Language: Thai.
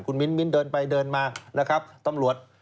คุณมิ้นเดินไปเดินมานะครับตำรวจ